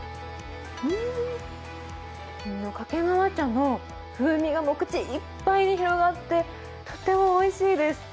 掛川茶の風味が口いっぱいに広がって、とてもおいしいです。